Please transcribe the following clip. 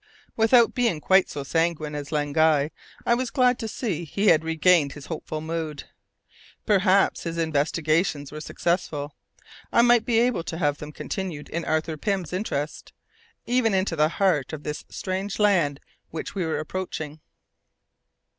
Without being quite so sanguine as Len Guy, I was glad to see he had regained his hopeful mood. Perhaps, if his investigations were successful, I might be able to have them continued in Arthur Pym's interest even into the heart of this strange land which we were approaching.